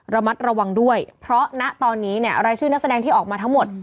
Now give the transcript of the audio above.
ระมัดระวังด้วยเพราะณตอนนี้เนี่ยรายชื่อนักแสดงที่ออกมาทั้งหมด